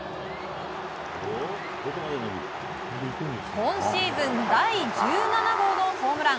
今シーズン第１７号のホームラン。